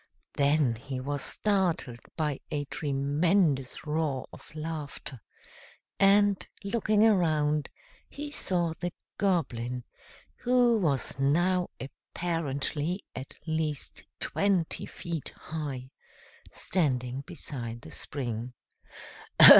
Then he was startled by a tremendous roar of laughter, and, looking around, he saw the Goblin, who was now apparently at least twenty feet high, standing beside the spring.